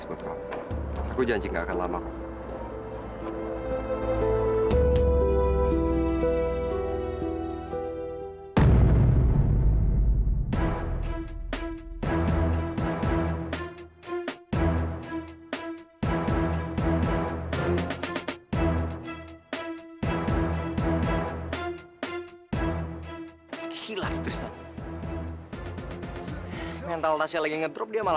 sebentar lagi akan terjadi peperangan saudara disana